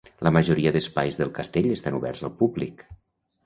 La majoria d'espais del castell estan oberts al públic.